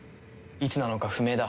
いつなのか不明だ。